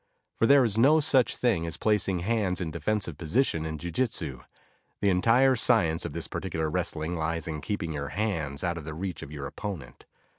For there is no such thing as placing hands in defensive position in Jiu Jitsu; the entire science of this particular wrestling lies in keeping your hands out of the reach of your opponent.